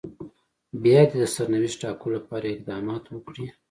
بيا دې د سرنوشت ټاکلو لپاره اقدامات وکړي.